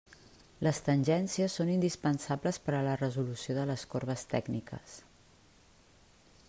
Les tangències són indispensables per a la resolució de les corbes tècniques.